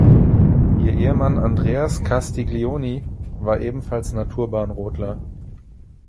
Ihr Ehemann Andreas Castiglioni war ebenfalls Naturbahnrodler.